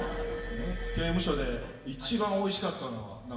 刑務所で一番おいしかったのは。